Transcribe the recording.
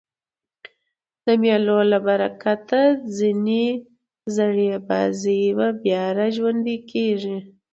د مېلو له برکته ځیني زړې بازۍ بیا راژوندۍ کېږي.